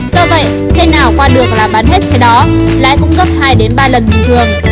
do vậy xe nào qua được là bán hết xe đó lái cũng gấp hai ba lần bình thường